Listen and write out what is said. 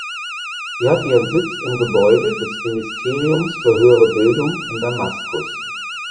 Sie hat ihren Sitz im Gebäude des Ministeriums für höhere Bildung in Damaskus.